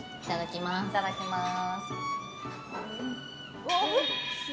いただきます。